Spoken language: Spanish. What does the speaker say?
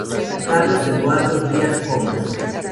Carlos Eduardo Dias Comas.